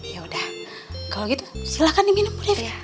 ya udah kalau gitu silakan diminum bu devi